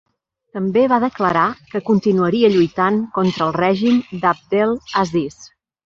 També va declarar que continuaria lluitant contra el règim d'Abdel Aziz.